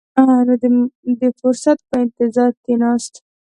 نو د فرصت په انتظار کښېناست.